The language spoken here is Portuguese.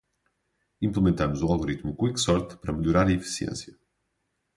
Implementamos o algoritmo Quick Sort para melhorar a eficiência.